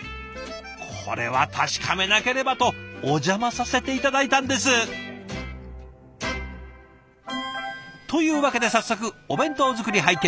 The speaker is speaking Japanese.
これは確かめなければとお邪魔させて頂いたんです！というわけで早速お弁当作り拝見。